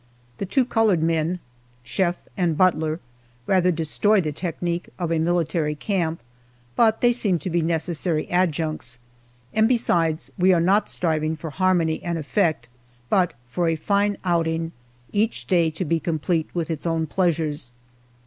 The two colored men chef and butler rather destroy the technique of a military camp, but they seem to be necessary adjuncts; and besides, we are not striving for harmony and effect, but for a fine outing, each day to be complete with its own pleasures.